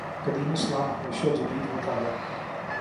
قدیم اسلام ہمیشہ جدید ہوتا ہے۔